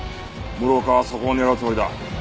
室岡はそこを狙うつもりだ。